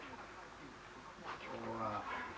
今日は。